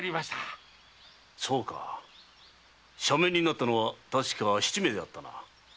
そうか赦免になったのは確か七名であったな。